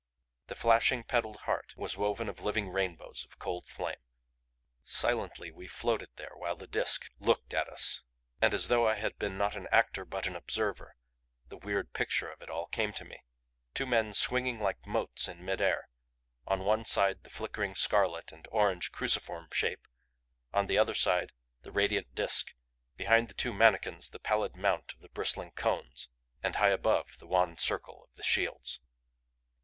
The flashing, petaled heart was woven of living rainbows of cold flame. Silently we floated there while the Disk LOOKED at us. And as though I had been not an actor but an observer, the weird picture of it all came to me two men swinging like motes in mid air, on one side the flickering scarlet and orange Cruciform shape, on the other side the radiant Disk, behind the two manikins the pallid mount of the bristling cones; and high above the wan circle of the shields.